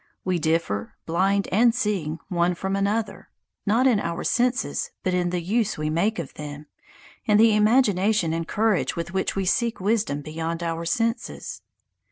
We differ, blind and seeing, one from another, not in our senses, but in the use we make of them, in the imagination and courage with which we seek wisdom beyond our senses.